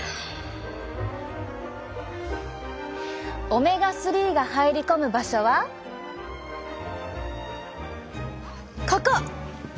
オメガ３が入り込む場所はここ！